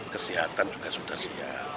kesihatan juga sudah siap